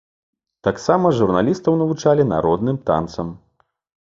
Таксама журналістаў навучалі народным танцам.